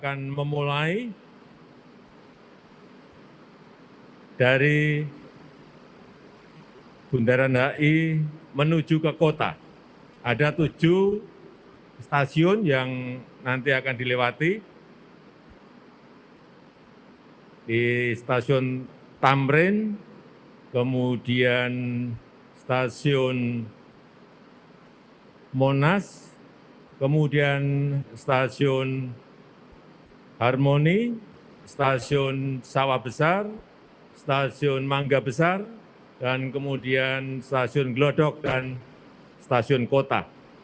kemudian stasiun harmoni stasiun sawah besar stasiun mangga besar dan kemudian stasiun gelodok dan stasiun kota